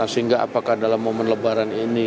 dan sehingga apakah dalam momen lebaran ini